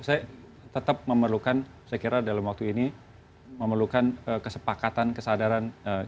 saya tetap memerlukan saya kira dalam waktu ini memerlukan kesepakatan kesadaran